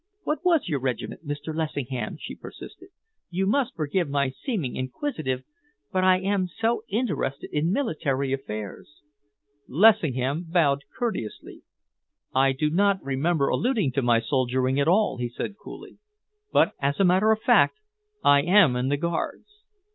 "What was your regiment, Mr. Lessingham?" she persisted. "You must forgive my seeming inquisitive, but I am so interested in military affairs." Lessingham bowed courteously. "I do not remember alluding to my soldiering at all," he said coolly, "but as a matter of fact I am in the Guards."